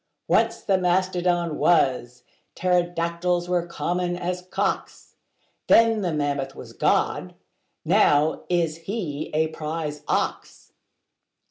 Once the mastodon was: pterodactyls were common as cocks: Then the mammoth was God: now is He a prize ox.